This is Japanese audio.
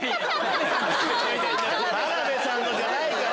田辺さんのじゃないから。